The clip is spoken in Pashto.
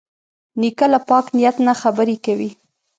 نیکه له پاک نیت نه خبرې کوي.